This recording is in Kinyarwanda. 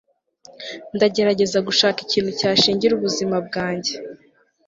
ndagerageza gushaka ikintu cyashingira ubuzima bwanjye